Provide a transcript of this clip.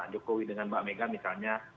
jokowi dengan mbak mega misalnya